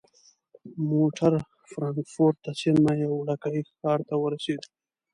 موټر فرانکفورت ته څیرمه یوه وړوکي ښار ته ورسید.